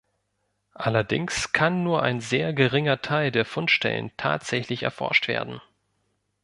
Allerdings kann nur ein sehr geringer Teil der Fundstellen tatsächlich erforscht werden.